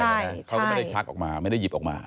เขาก็ไม่ได้ชักออกมาไม่ได้หยิบออกมา